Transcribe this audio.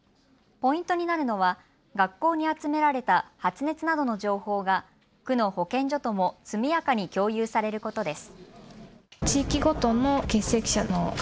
ポイントになるのは学校に集められた発熱などの情報が区の保健所とも速やかに共有されることです。